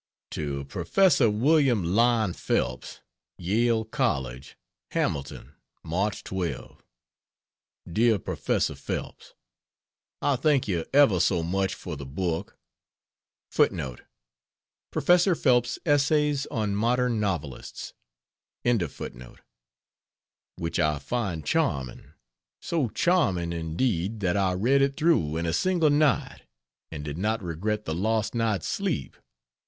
To Prof. William Lyon Phelps, Yale College: HAMILTON, March 12. DEAR PROFESSOR PHELPS, I thank you ever so much for the book [Professor Phelps's Essays on Modern Novelists.] which I find charming so charming indeed, that I read it through in a single night, and did not regret the lost night's sleep.